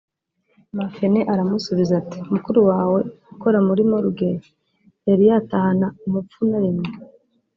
” Mafene aramusubiza ati “Mukuru wawe ukora muri ’morgue’ yari yatahana umupfu na rimwe